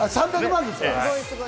３００万ですか？